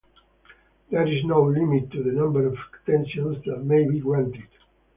There is no limit to the number of extensions that may be granted.